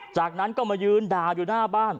จากนั้นก็มายืนด่าอยู่หน้าบ้าน